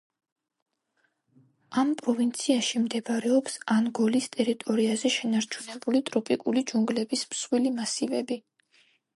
ამ პროვინციაში მდებარეობს ანგოლის ტერიტორიაზე შენარჩუნებული ტროპიკული ჯუნგლების მსხვილი მასივები.